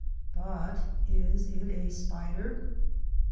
But is it a spider?